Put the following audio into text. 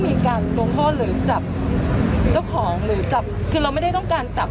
ทำงานครบ๒๐ปีได้เงินชดเฉยเลิกจ้างไม่น้อยกว่า๔๐๐วัน